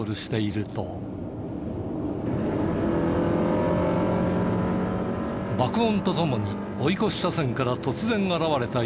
爆音とともに追い越し車線から突然現れた１台の車。